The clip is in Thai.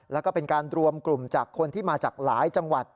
แล้วก็เป็นการรวมกลุ่มจากคนที่มาจากหลายจังหวัด